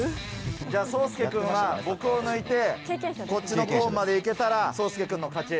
じゃあ、颯亮君は僕を抜いてこっちのコーンまで行けたら颯亮君の勝ち。